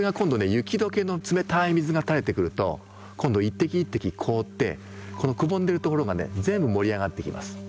雪どけの冷たい水が垂れてくると今度一滴一滴凍ってこのくぼんでるところがね全部盛り上がってきます。